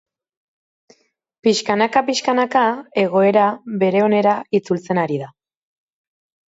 Pixkanaka pixkanaka egoera bere honera itzultzen ari da.